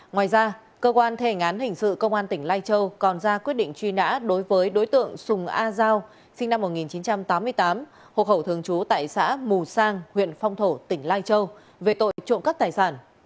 ngoài ra cơ quan thề án hình sự công an tỉnh lai châu còn ra quyết định truy nã đối với đối tượng sùng a giao sinh năm một nghìn chín trăm tám mươi tám hộ khẩu thường trú tại xã mù sang huyện phong thổ tỉnh lai châu về tội trộm cắp tài sản